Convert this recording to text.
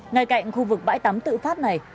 ngay cạnh khu vực bãi tắm tự phát này